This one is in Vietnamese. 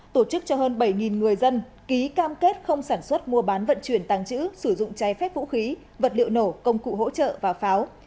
tổ chức cho hơn bảy người dân ký cam kết không sản xuất mua bán vận chuyển tăng trữ sử dụng trái phép vũ khí vật liệu nổ công cụ hỗ trợ và pháo